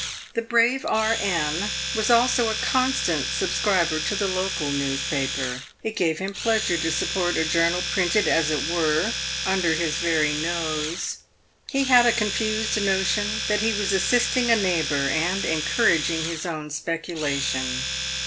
The brave E.N. was also a constant subscriber to the local news paper. It gave him pleasure to support a journal printed, as it were, under his very nose. He had a confused notion that he was assisting a neighbour and encouraging his own speculation.